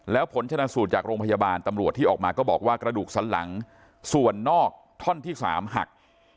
แล้วผลชนะสูตรจากโรงพยาบาลตำรวจที่ออกมาก็บอกว่ากระดูกสันหลังส่วนนอกท่อนที่๓หัก